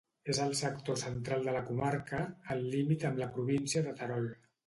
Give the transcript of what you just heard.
És al sector central de la comarca, al límit amb la província de Terol.